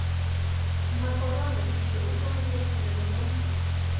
ma korona kityo ukojwet ne korom